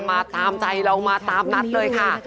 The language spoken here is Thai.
มาตามใจเรามาตามนัดเลยค่ะ